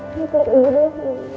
ibu udah pulang